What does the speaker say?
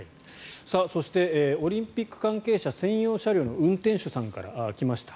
そしてオリンピック関係者専用車両の運転手さんから来ました。